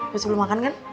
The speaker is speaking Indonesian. bisa belom makan kan